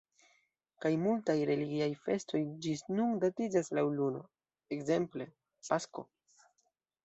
Kaj multaj religiaj festoj ĝis nun datiĝas laŭ la luno, ekzemple pasko.